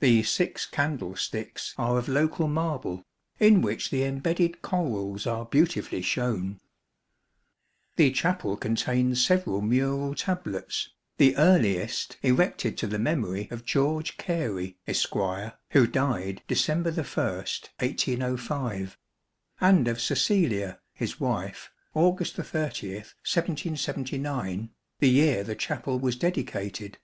The six candlesticks are of local marble, in which the embedded corals are beautifully shown. The chapel contains several mural tablets, the earliest erected to the memory of George Gary, Esquire, who died December 1st, 1805 ; and of Cecilia, his wife, August 30th, 1779, the year the chapel was dedicated.